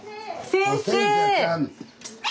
先生！